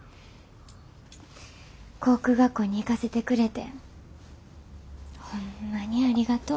航空学校に行かせてくれてホンマにありがとう。